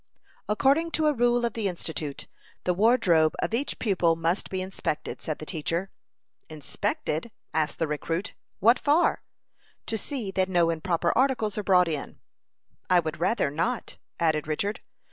"According to a rule of the Institute, the wardrobe of each pupil must be inspected," said the teacher. "Inspected?" asked the recruit. "What for?" "To see that no improper articles are brought in." "I would rather not," added Richard.